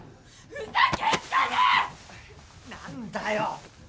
何だよ。